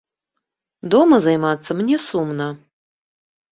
Дома займацца мне сумна.